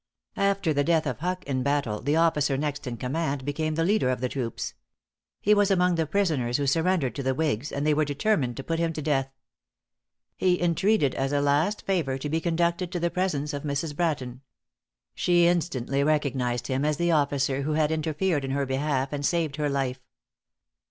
After the death of Huck in battle, the officer next in command became the leader of the troops. He was among the prisoners who surrendered to the whigs, and they were determined to put him to death. He entreated as a last favor, to be conducted to the presence of Mrs. Bratton. She instantly recognized him as the officer who had interfered in her behalf and saved her life.